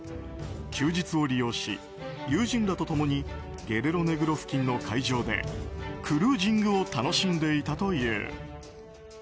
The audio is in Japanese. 休日を利用し、友人らと共にゲレロネグロ付近の海上でクルージングを楽しんでいたという。